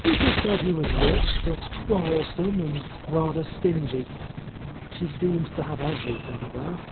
People said he was rich, but quarrelsome and rather stingy. She seemed to have everything, though.